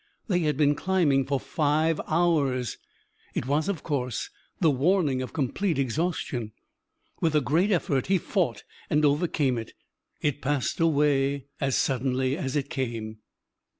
They had been climbing for five hours.... It was, of course, the warning of complete exhaustion. With a great effort he fought and overcame it. It passed away as suddenly as it came.